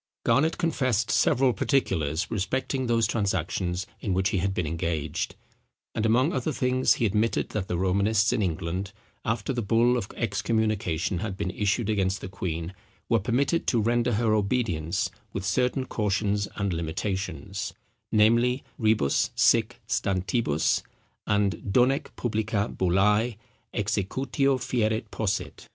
Garnet confessed several particulars respecting those transactions in which he had been engaged; and among other things he admitted that the Romanists in England, after the bull of excommunication had been issued against the queen, were permitted to render her obedience with certain cautions and limitations, namely, Rebus sic stantibus, and Donec publica bullæ executio fieret posset.